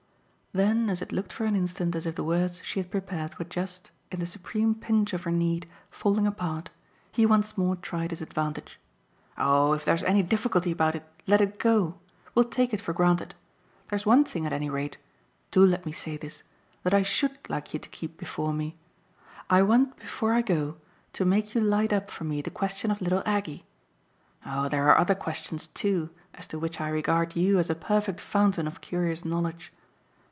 Then as it looked for an instant as if the words she had prepared were just, in the supreme pinch of her need, falling apart, he once more tried his advantage. "Oh if there's any difficulty about it let it go we'll take it for granted. There's one thing at any rate do let me say this that I SHOULD like you to keep before me: I want before I go to make you light up for me the question of little Aggie. Oh there are other questions too as to which I regard you as a perfect fountain of curious knowledge!